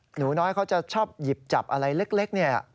หนูน้อยเขาจะชอบหยิบจับอะไรเล็กเนี่ย